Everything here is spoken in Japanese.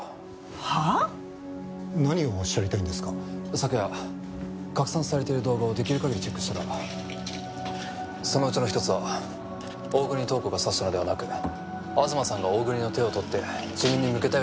昨夜拡散されている動画をできる限りチェックしたらそのうちの一つは大國塔子が刺したのではなく東さんが大國の手を取って自分に向けたように見えました。